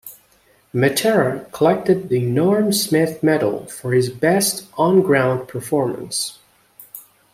Matera collected the Norm Smith Medal for his best on ground performance.